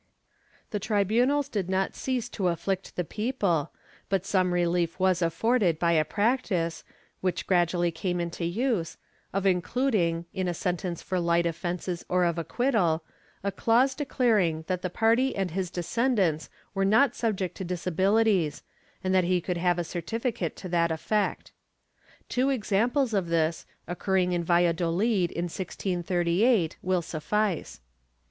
^ The tribunals did not cease to afflict the people, but some relief was afforded by a practice, which gradually came into use, of including, in a sentence for light offences or of acquittal, a clause declaring that the party and his descendants were not subject to disabilities and that he could have a certificate to that effect. Two examples of this, occurring in Valladohd in 1638 will suffice.